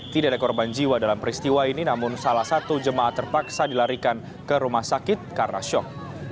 tidak ada korban jiwa dalam peristiwa ini namun salah satu jemaah terpaksa dilarikan ke rumah sakit karena syok